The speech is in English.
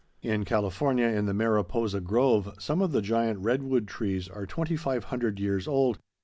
In California, in the Mariposa Grove, some of the giant redwood trees are twenty five hundred years old.